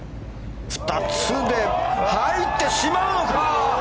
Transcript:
２つで入ってしまうのか！